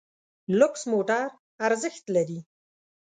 لوکس موټر ارزښت لري.